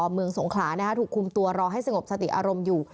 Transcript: เมืองสงขลาถูกคุมตัวรอให้สงบสติอารมณ์อยู่